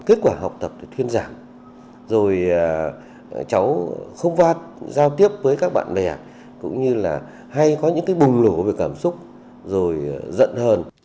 kết quả học tập thì thuyên giảm rồi cháu không vát giao tiếp với các bạn bè cũng như là hay có những cái bùng nổ về cảm xúc rồi giận hơn